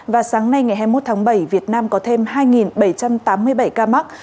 và sáng nay ngày hai mươi một tháng bảy việt nam có thêm hai bảy trăm tám mươi bảy ca mắc